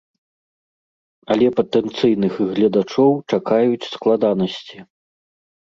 Але патэнцыйных гледачоў чакаюць складанасці.